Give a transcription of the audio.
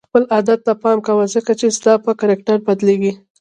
خپل عادت ته پام کوه ځکه هغه ستا په کرکټر بدلیږي.